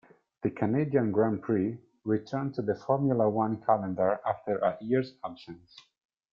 The Canadian Grand Prix returned to the Formula One calendar after a year's absence.